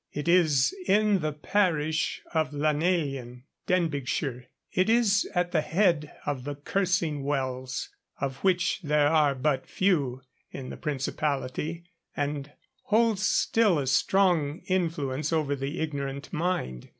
It is in the parish of Llanelian, Denbighshire. It is at the head of the cursing wells, of which there are but few in the Principality, and holds still a strong influence over the ignorant mind.